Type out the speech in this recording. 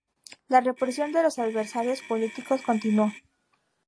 La represión de los adversarios políticos continuó.